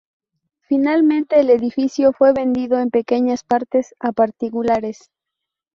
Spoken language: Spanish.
Finalmente, el edificio fue vendido en pequeñas partes a particulares.